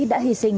đã hy sinh